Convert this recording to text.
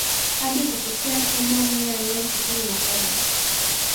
Hadi kufikia Tembo mia nne sitini na saba